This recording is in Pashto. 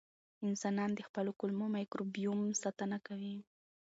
انسانان د خپل کولمو مایکروبیوم ساتنه کوي.